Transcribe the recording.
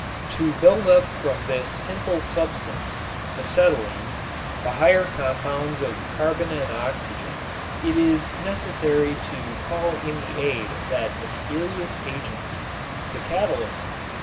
To build up from this simple substance, acetylene, the higher compounds of carbon and oxygen it is necessary to call in the aid of that mysterious agency, the catalyst.